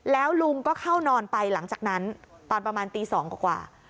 แล้วลุงก็เข้านอนไปหลังจากนั้นตอนประมาณตี๒กว่า